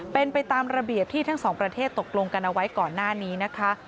เป็นไปตามระเบียบที่ทั้งสองประเทศตกลงกันเอาไว้ก่อนหน้านี้นะคะ